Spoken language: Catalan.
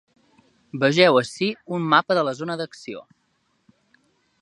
Vegeu ací un mapa de la zona de l’acció.